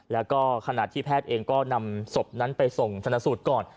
แล้วก็ขณะที่แพทย์เองก็นำศพนั้นไปส่งชนะสูตรก่อน